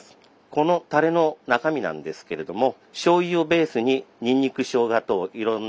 このたれの中身なんですけれどもしょうゆをベースににんにくしょうがといろんなスパイス等も入ってます。